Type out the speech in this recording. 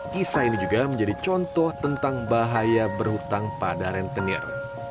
kisah ini juga menjadi contoh tentang bahaya berhutang pada rentenir